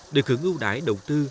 được hưởng ưu đãi đầu tư